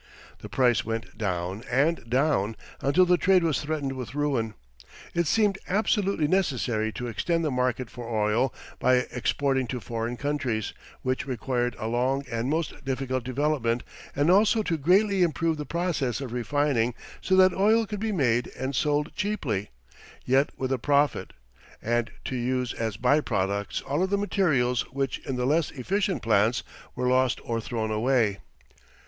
The price went down and down until the trade was threatened with ruin. It seemed absolutely necessary to extend the market for oil by exporting to foreign countries, which required a long and most difficult development; and also to greatly improve the processes of refining so that oil could be made and sold cheaply, yet with a profit, and to use as by products all of the materials which in the less efficient plants were lost or thrown away.